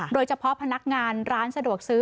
โดยเฉพาะพนักงานร้านสะดวกซื้อ